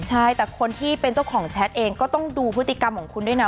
ใช่แต่คนที่เป็นเจ้าของแชทเองก็ต้องดูพฤติกรรมของคุณด้วยนะ